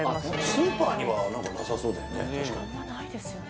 スーパーにはなさそうだよね